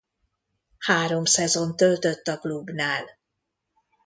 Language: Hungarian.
Három szezont töltött a klubnál.